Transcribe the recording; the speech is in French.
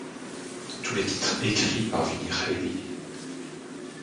Tous les titres écrits par Vini Reilly.